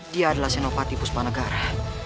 dia adalah senopati puspanegara